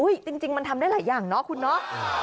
จริงมันทำได้หลายอย่างเนาะคุณเนาะ